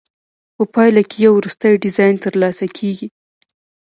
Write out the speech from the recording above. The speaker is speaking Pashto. په پایله کې یو وروستی ډیزاین ترلاسه کیږي.